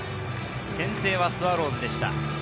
先制はスワローズでした。